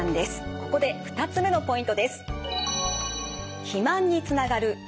ここで２つ目のポイントです。